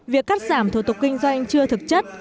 việc cắt giảm thủ tục kinh doanh chưa thực chất